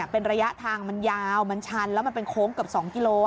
เป็นระยะทางมันยาวมันชันแล้วมันเป็นโค้งเกือบ๒กิโล